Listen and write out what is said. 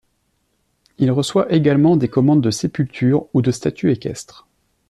Il reçoit également des commandes de sépulture ou de statue équestre.